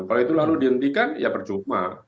kalau itu lalu dihentikan ya percuma